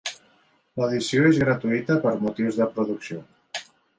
L'edició és gratuïta per motius de producció.